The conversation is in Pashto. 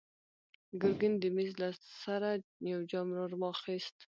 ګرګين د مېز له سره يو جام ور واخيست.